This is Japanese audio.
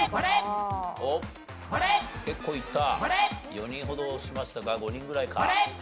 ４人ほど押しましたが５人ぐらいか。